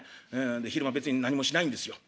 で昼間別に何もしないんですよねっ。